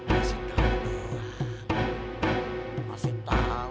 masih takut lah masih takut